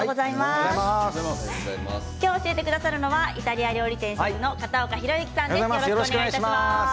今日教えてくださるのはイタリア料理店シェフの片岡宏之さんです。